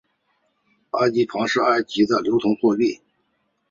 埃及镑是埃及的流通货币。